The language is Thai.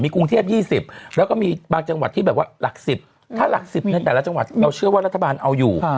กรุงเทพ๒๐แล้วก็มีบางจังหวัดที่แบบว่าหลัก๑๐ถ้าหลัก๑๐ในแต่ละจังหวัดเราเชื่อว่ารัฐบาลเอาอยู่